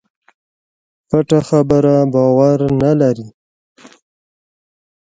پټه خبره باور نه لري.